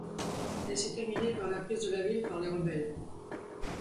Elle s'est terminée par la prise de la ville par les rebelles.